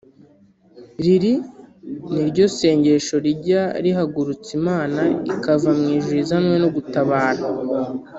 Iiri ni ryo sengesho rijya rihagurutsa Imana ikava mu ijuru izanywe no gutabara